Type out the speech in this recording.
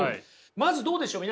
まずどうでしょう？